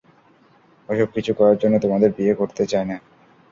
ওসব কিছু করার জন্য, তোমাদের বিয়ে করতে চাই না।